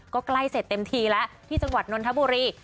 ก็ใกล้เสร็จเต็มทีแล้วที่จังหวัดนนทบุรี